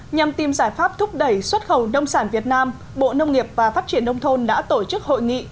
nhằm tìm giải pháp thúc đẩy xuất khẩu nông sản việt nam bộ nông nghiệp và phát triển nông thôn đã tổ chức hội nghị